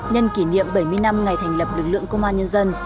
nhân kỷ niệm bảy mươi năm ngày thành lập lực lượng công an nhân dân